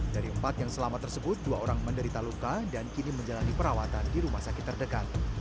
dari empat yang selamat tersebut dua orang menderita luka dan kini menjalani perawatan di rumah sakit terdekat